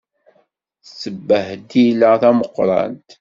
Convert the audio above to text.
D ttbehdila tameqrant!